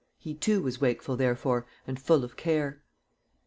He too was wakeful, therefore, and full of care.